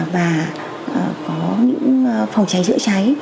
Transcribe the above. và có những phòng cháy chữa cháy